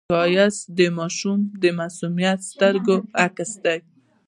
ښایست د ماشوم د معصومو سترګو عکس دی